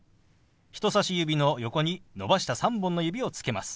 人さし指の横に伸ばした３本の指をつけます。